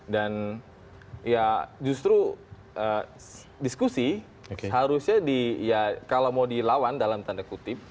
dan ya justru diskusi harusnya kalau mau dilawan dalam tanda kutip